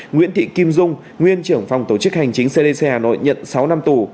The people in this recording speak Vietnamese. nguyễn thị kim dung nguyên trưởng phòng tổ chức hành chính cdc hà nội nhận sáu năm tù